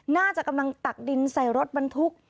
น่าจะกำลังตักดินใส่รถบรรทุก